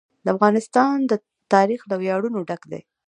د افغانستان تاریخ له ویاړونو ډک دی.